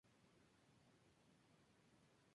Generalmente se encuentra en parejas o pequeños grupos.